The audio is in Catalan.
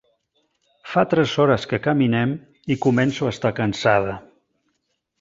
Fa tres hores que caminem i començo a estar cansada.